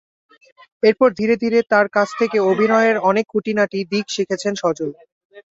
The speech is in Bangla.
এরপর ধীরে ধীরে তাঁর কাছ থেকে অভিনয়ের অনেক খুঁটিনাটি দিক শিখেছেন সজল।